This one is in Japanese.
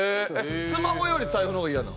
スマホより財布の方が嫌なん？